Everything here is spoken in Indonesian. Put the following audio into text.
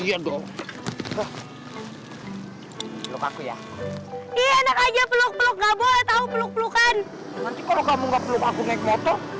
peluk peluk peluk peluk peluk peluk peluk peluk peluk peluk peluk peluk peluk peluk peluk peluk